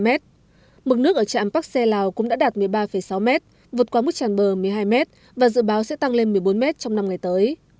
mực nước ở trạm bắc xe lào cũng đã đạt một mươi ba sáu m vượt quá mực nước tràn bờ một mươi hai m và dự báo sẽ tăng lên một mươi bốn m trong năm ngày tới